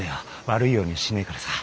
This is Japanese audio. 悪いようにはしねえからさ。